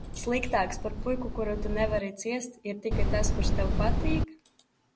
Sliktāks par puiku, kuru tu nevari ciest, ir tikai tas, kurš tev patīk?